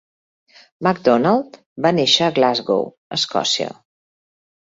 Macdonald va néixer a Glasgow, Escòcia.